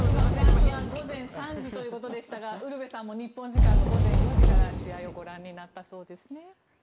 フランスは午前３時ということでしたがウルヴェさんも日本時間午前４時から試合をご覧になったそうですね。